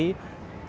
yang dapat disimpan